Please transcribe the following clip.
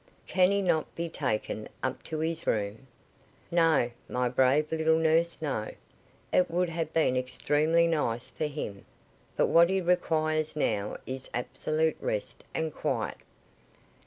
"Can he not be taken up to his room?" "No, my brave little nurse, no. It would have been extremely nice for him, but what he requires now is absolute rest and quiet.